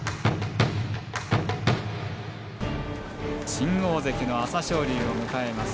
新大関の朝青龍を迎えます。